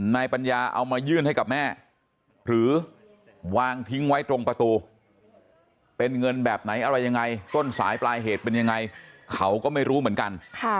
นายปัญญาเอามายื่นให้กับแม่หรือวางทิ้งไว้ตรงประตูเป็นเงินแบบไหนอะไรยังไงต้นสายปลายเหตุเป็นยังไงเขาก็ไม่รู้เหมือนกัน